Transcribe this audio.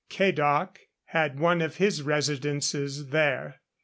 Cadoc had one of his residences there.